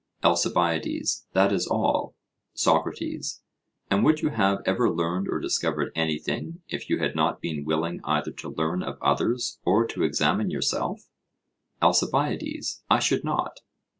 ALCIBIADES: That is all. SOCRATES: And would you have ever learned or discovered anything, if you had not been willing either to learn of others or to examine yourself? ALCIBIADES: I should not.